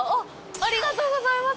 ありがとうございます。